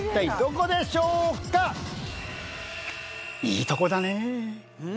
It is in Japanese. いいとこだね。